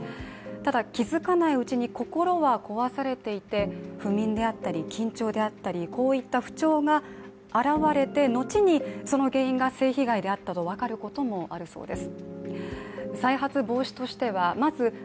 ただ、気づかないうちに心は壊されていて、不眠であったり、緊張であったりこういった不調が現れて、後に、その原因が性被害だと分かることもあるそうです。